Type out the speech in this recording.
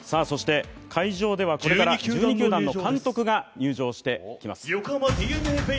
会場ではこれから１２球団の監督が入場してきます。